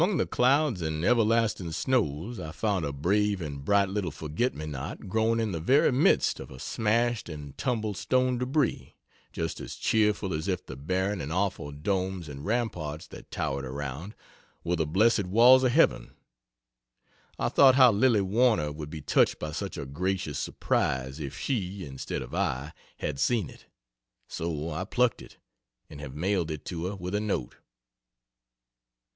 Among the clouds and everlasting snows I found a brave and bright little forget me not growing in the very midst of a smashed and tumbled stone debris, just as cheerful as if the barren and awful domes and ramparts that towered around were the blessed walls of heaven. I thought how Lilly Warner would be touched by such a gracious surprise, if she, instead of I, had seen it. So I plucked it, and have mailed it to her with a note.